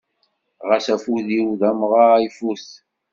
Ɣas afud-iw d amɣar ifut.